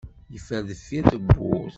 Yeffer deffir tewwurt.